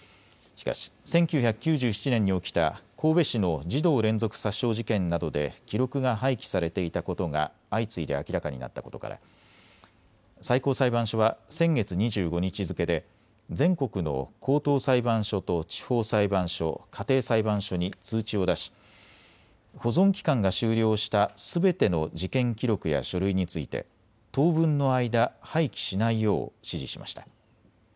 しかし１９９７年に起きた神戸市の児童連続殺傷事件などで記録が廃棄されていたことが相次いで明らかになったことから最高裁判所は先月２５日付けで全国の高等裁判所と地方裁判所、家庭裁判所に通知を出し保存期間が終了したすべての事件記録や書類について当分の間、廃棄しないよう指示しました。